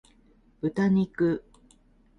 豚肉